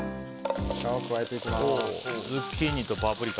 こちらを加えていきます。